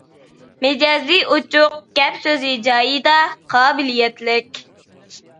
مىجەزى ئۇچۇق، گەپ سۆزى جايىدا، قابىلىيەتلىك.